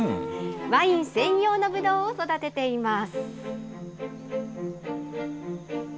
ワイン専用のぶどうを育てています。